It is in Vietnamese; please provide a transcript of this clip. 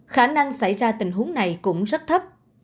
khả năng xảy ra tình huống này cũng rất thấp